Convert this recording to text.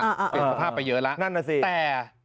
เปลี่ยนสภาพไปเยอะละแต่